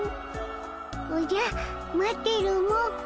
おじゃ待ってるモ。